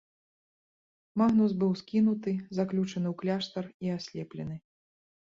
Магнус быў скінуты, заключаны ў кляштар і аслеплены.